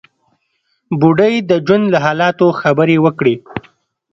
بوډۍ د ژوند له حالاتو خبرې وکړې.